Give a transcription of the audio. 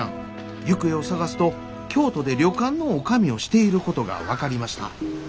行方を捜すと京都で旅館の女将をしていることが分かりました。